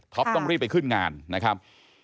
ต้องรีบไปขึ้นงานนะครับ